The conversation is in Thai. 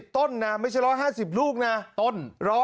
๑๕๐ต้นนะไม่ใช่๑๕๐ลูกนะต้น